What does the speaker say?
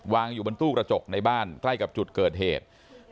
อยู่บนตู้กระจกในบ้านใกล้กับจุดเกิดเหตุ